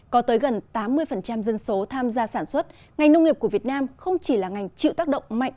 có tới gần tám mươi dân số tham gia sản xuất ngành nông nghiệp của việt nam không chỉ là ngành chịu tác động mạnh